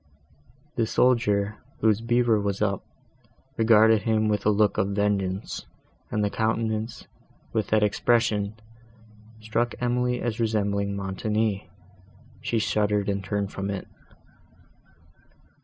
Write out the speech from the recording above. The soldier, whose beaver was up, regarded him with a look of vengeance, and the countenance, with that expression, struck Emily as resembling Montoni. She shuddered, and turned from it.